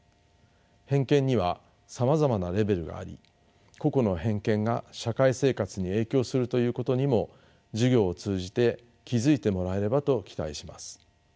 偏見にはさまざまなレベルがあり個々の偏見が社会生活に影響するということにも授業を通じて気付いてもらえればと期待します。